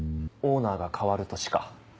オーナーが変わるとしか。